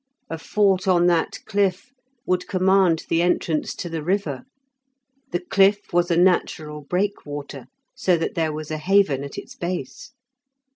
A fort on that cliff would command the entrance to the river; the cliff was a natural breakwater, so that there was a haven at its base.